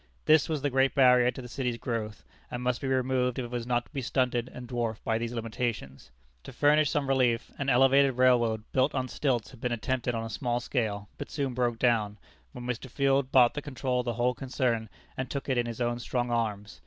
This was the great barrier to the city's growth, and must be removed if it was not to be stunted and dwarfed by these limitations. To furnish some relief, an elevated railroad, built on stilts, had been attempted on a small scale, but soon broke down, when Mr. Field bought the control of the whole concern, and took it in his own strong arms.